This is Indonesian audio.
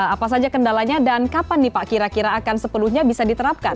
apa saja kendalanya dan kapan nih pak kira kira akan sepenuhnya bisa diterapkan